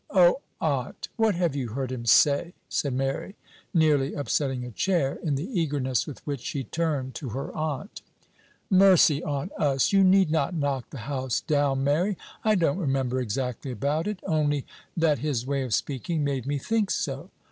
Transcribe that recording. "O aunt! what have you heard him say?" said Mary, nearly upsetting a chair in the eagerness with which she turned to her aunt. "Mercy on us! you need not knock the house down, Mary. I don't remember exactly about it, only that his way of speaking made me think so."